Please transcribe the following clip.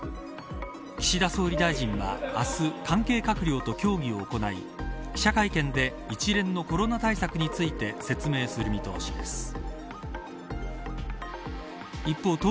岸田総理大臣は明日関係閣僚と協議を行い記者会見で、一連のコロナ対策について説明する見通しです。